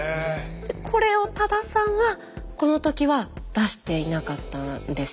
これを多田さんはこの時は出していなかったんですよね。